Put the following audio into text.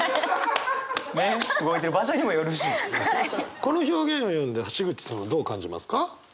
この表現を読んだ橋口さんはどう感じますか？